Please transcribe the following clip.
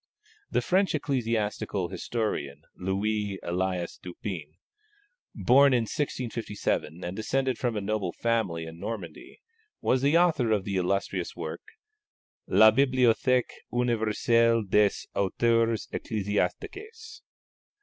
The French ecclesiastical historian Louis Elias Dupin, born in 1657 and descended from a noble family in Normandy, was the author of the illustrious work La Bibliothèque Universelle des auteurs ecclésiastiques.